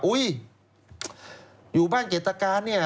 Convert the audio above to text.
อุ้ยอยู่บ้านกริรตราการเนี่ย